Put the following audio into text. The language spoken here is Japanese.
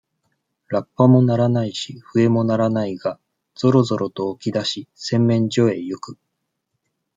ラッパも鳴らないし、笛も鳴らないが、ぞろぞろと起き出し、洗面所へゆく。